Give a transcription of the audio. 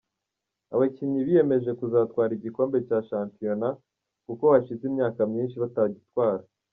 Abakinnyi biyemeje kuzatwara igikombe cya shampiona, kuko hashize imyaka myinshi batagitwara.